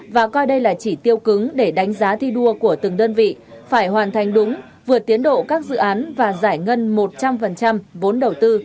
và coi đây là chỉ tiêu cứng để đánh giá thi đua của từng đơn vị phải hoàn thành đúng vượt tiến độ các dự án và giải ngân một trăm linh vốn đầu tư